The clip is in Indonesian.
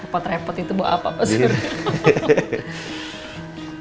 kepot repot itu buat apa pak surya